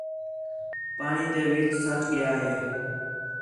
پاݨی تے وِچ سَٹ ڳِیا ہِے